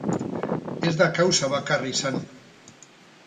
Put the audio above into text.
Ez da kausa bakarra izan.